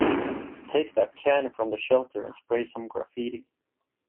Take that can from the shelter and spray some graffiti.